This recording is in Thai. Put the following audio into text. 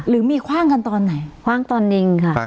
หรือมีคว่างกันตอนไหนคว่างตอนนิงค่ะ